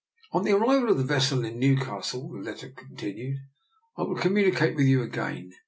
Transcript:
" On the arrival of the vessel in New castle " (the letter continued), " I will com municate with you again.